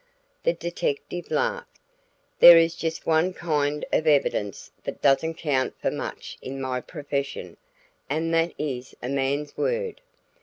The detective laughed. "There is just one kind of evidence that doesn't count for much in my profession, and that is a man's word.